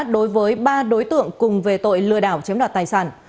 đối với ba đối tượng cùng về tội lừa đảo chiếm đoạt tài sản